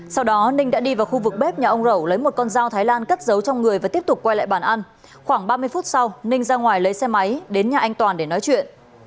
sau đó ninh đã đi vào khu vực bếp nhà ông rẩu lấy một con dao thái lan cất giấu trong người và tiếp tục quay lại bàn ăn khoảng ba mươi phút sau ninh ra ngoài lấy xe máy đến nhà anh toàn để nói chuyện